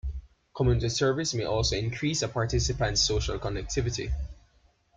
Community service may also increase a participant's social connectivity.